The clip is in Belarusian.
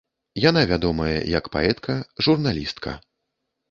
Яна вядомая як паэтка, журналістка.